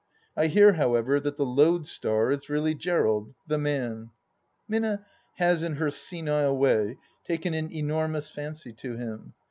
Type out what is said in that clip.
I hear however that the lodestar is really Gerald, the man. Minna has in her senile way taken an enormous fancy to him.